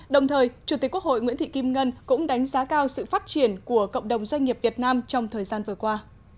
đồng thời chủ tịch quốc hội nguyễn thị kim ngân cũng đánh giá cao sự phát triển của cộng đồng doanh nghiệp việt nam trong thời gian vừa qua